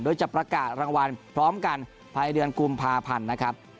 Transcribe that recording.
โดยจะประกาศรางวัลพร้อมกันภายเดือนกุมภาพันธ์นะครับ